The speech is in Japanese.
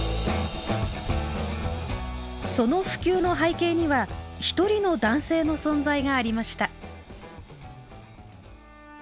その普及の背景には一人の男性の存在がありました。